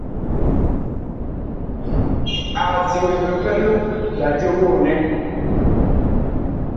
Ag diŋɛ bipɛlo la jomoo nɛ.